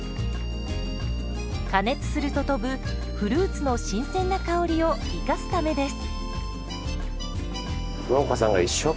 加熱すると飛ぶフルーツの新鮮な香りを生かすためです。